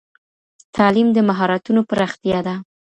تعليم د مهارتونو پراختيا ده.